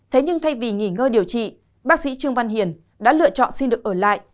thế nhưng thay vì nghỉ ngơi điều trị bác sĩ trương văn hiền đã lựa chọn xin được ở lại